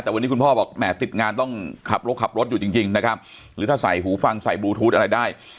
แต่วันนี้คุณพ่อบอกแหมติดงานต้องขับรถขับรถอยู่จริงนะครับหรือถ้าใส่หูฟังใส่บลูทูธอะไรได้